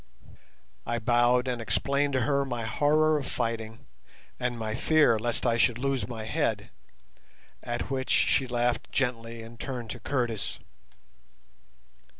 I bowed and explained to her my horror of fighting, and my fear lest I should lose my head, at which she laughed gently and turned to Curtis.